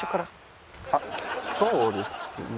あっそうですね。